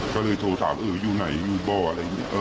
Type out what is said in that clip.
ก็เลยโทรถามเอออยู่ไหนอยู่บ่ออะไรอย่างนี้